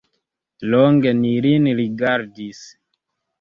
Longe ni lin rigardis.